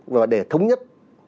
và để thống nhất